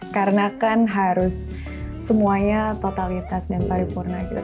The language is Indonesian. karena kan harus semuanya totalitas dan paripurna gitu